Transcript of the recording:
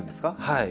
はい。